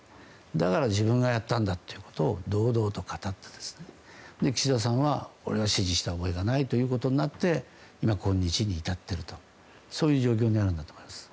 だから自分がやったんだということを堂々と語って岸田さんは俺は指示した覚えがないということになって今日に至っているという状況にあるんだと思います。